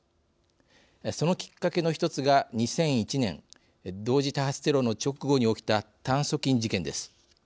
そのきっかけの一つが２００１年同時多発テロの直後に起きた炭そ菌事件です。